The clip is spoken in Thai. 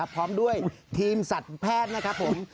พร้อมด้วยทีมสัตว์แพทย์นะครับผม